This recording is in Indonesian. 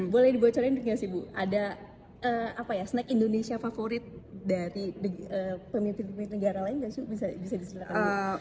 boleh dibocorin juga sih ibu ada snack indonesia favorit dari penitip negara lain gak sih bisa disuruh